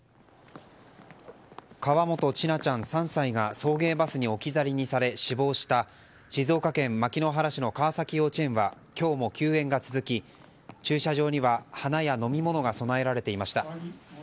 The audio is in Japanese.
河本千奈ちゃん、３歳が送迎バスに置き去りにされ死亡した静岡県牧之原市の川崎幼稚園は今日も休園が続き駐車場には花や飲み物が供えられていました。